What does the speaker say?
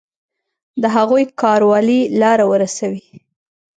د هغوی کارولې لاره ورسوي.